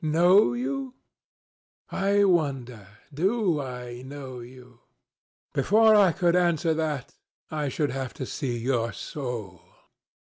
Know you? I wonder do I know you? Before I could answer that, I should have to see your soul."